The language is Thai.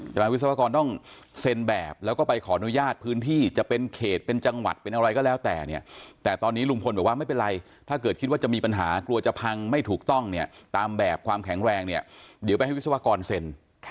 วิศวกรต้องเซ็นแบบแล้วก็ไปขออนุญาตพื้นที่จะเป็นเขตเป็นจังหวัดเป็นอะไรก็แล้วแต่เนี่ยแต่ตอนนี้ลุงพลบอกว่าไม่เป็นไรถ้าเกิดคิดว่าจะมีปัญหากลัวจะพังไม่ถูกต้องเนี่ยตามแบบความแข็งแรงเนี่ยเดี๋ยวไปให้วิศวกรเซ็น